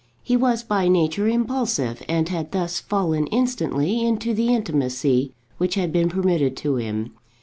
He was by nature impulsive, and had thus fallen instantly into the intimacy which had been permitted to him.